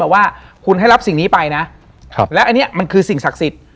ว่าคุณให้รับสิ่งนี้ไปนะแล้วอันนี้มันคือสิ่งศักดิ์สิทธิ์